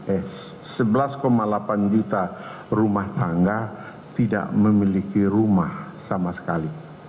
eh sebelas delapan juta rumah tangga tidak memiliki rumah sama sekali